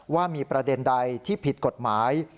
ว่ามีประเด็นใดที่ผิดกฎหมาย